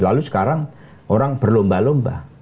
lalu sekarang orang berlomba lomba